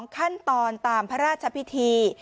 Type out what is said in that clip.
ขั้นตอนตามพระราชพิธี